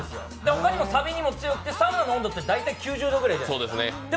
他にもさびにも強くて、サウナの温度って大体９０度ぐらいじゃないですか。